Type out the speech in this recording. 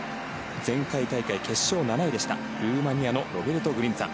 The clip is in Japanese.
前回大会決勝７位でしたルーマニアのロベルト・グリンツァ。